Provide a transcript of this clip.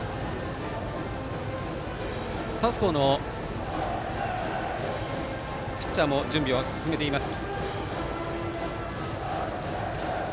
サウスポーのピッチャーも準備を進めています。